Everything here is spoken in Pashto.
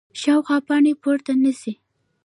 ښاخونه پاڼې پورته نیسي